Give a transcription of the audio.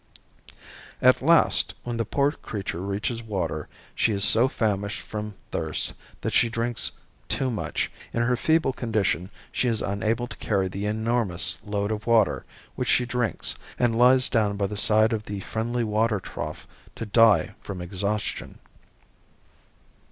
At last, when the poor creature reaches water, she is so famished from thirst that she drinks too much. In her feeble condition she is unable to carry the enormous load of water which she drinks and lies down by the side of the friendly water trough to die from exhaustion.